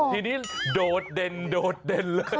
ทีนี้โดดเด่นโดดเด่นเลย